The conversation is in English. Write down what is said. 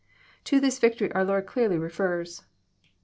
To this victory our Lord clearly refers.